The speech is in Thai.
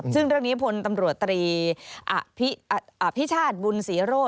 ซึ่งเรื่องนี้พลตำรวจตรีอภิชาติบุญศรีโรธ